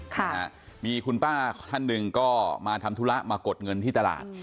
ค่ะมีคุณป้าท่านหนึ่งก็มาทำธุระมากดเงินที่ตลาด